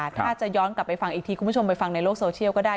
ถ้าจะย้อนกลับไปฟังอีกทีคุณผู้ชมไปฟังในโลกโซเชียลก็ได้